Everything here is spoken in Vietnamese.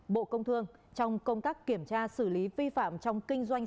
bộ công thương